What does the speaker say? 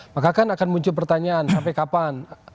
maka kan akan muncul pertanyaan sampai kapan